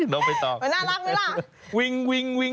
มันน่ารักไหมล่ะ